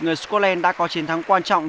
người scotland đã có chiến thắng quan trọng